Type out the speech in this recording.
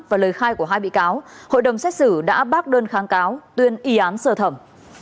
và lời khai của hai bị cáo hội đồng xét xử đã bác đơn kháng cáo tuyên y án sơ thẩm